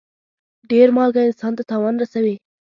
ډېر مالګه انسان ته تاوان رسوي.